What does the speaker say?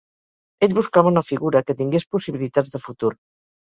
Ell buscava una figura que tingués possibilitats de futur.